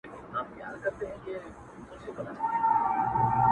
چي دا کلونه راته وايي نن سبا سمېږي!.